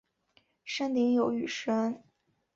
山顶有雨石庵。